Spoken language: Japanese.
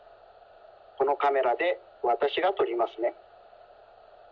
このカメラでわたしがとりますね。